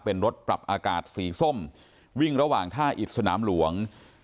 เป็นรถปรับอากาศสีส้มวิ่งระหว่างท่าอิดสนามหลวง